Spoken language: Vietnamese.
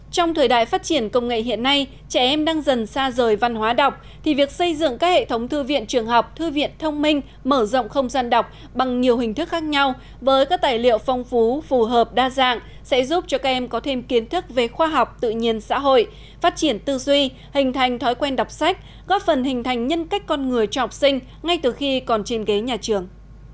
trong thời đại phát triển công nghệ hiện nay trẻ em đang dần xa rời văn hóa đọc thì việc xây dựng các hệ thống thư viện trường học thư viện thông minh mở rộng không gian đọc bằng nhiều hình thức khác nhau với các tài liệu phong phú phù hợp đa dạng sẽ giúp cho các em có thêm kiến thức về khoa học tự nhiên xã hội phát triển tư duy hình thành thói quen đọc sách góp phần hình thành nhân cách con người cho học sinh ngay từ khi còn trên ghế nhà trường